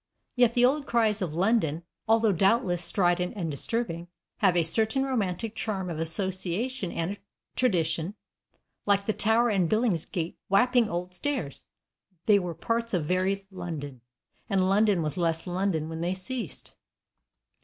Yet the old cries of London, although doubtless strident and disturbing, have a certain romantic charm of association and tradition. Like the Tower and Billingsgate and Wapping Old Stairs, they were parts of very London, and London was less London when they ceased.